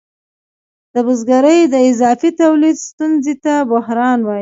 د بزګرۍ د اضافي تولید ستونزې ته بحران وايي